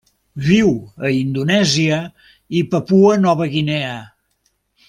Viu a Indonèsia i Papua Nova Guinea.